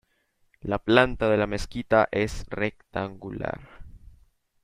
La planta de la mezquita es rectangular.